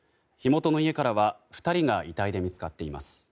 火元の家からは２人が遺体で見つかっています。